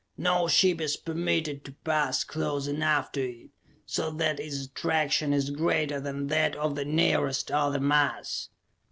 No ship is permitted to pass close enough to it so that its attraction is greater than that of the nearest other mass.